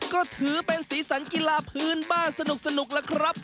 ก็ถือเป็นสีสันกีฬาพื้นบ้านสนุกล่ะครับ